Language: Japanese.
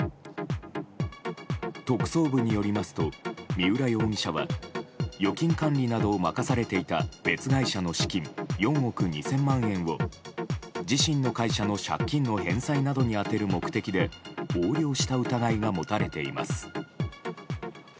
特捜部によりますと三浦容疑者は預金管理などを任されていた別会社の資金４億２０００万円を自身の会社の借金の返済などに充てる目的で横領した疑いが持たれています。